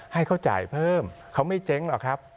ให้เขาจ่ายเพิ่มเขาไม่เจ๊งหรอกครับ